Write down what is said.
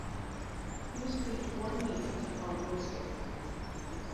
He was freed one week after the fall of Robespierre.